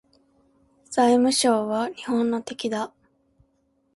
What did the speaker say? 財務省は日本の敵だ